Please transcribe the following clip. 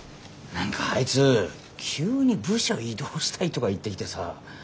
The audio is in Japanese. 何かあいつ急に部署異動したいとか言ってきてさ。